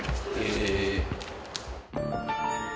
へえ。